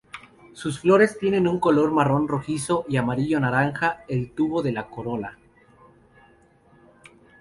Sus flores tienen un color marrón rojizo y amarillo-naranja el tubo de la corola.